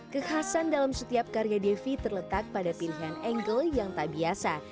kekhasan dalam setiap karya devi terletak pada pilihan angle yang tak biasa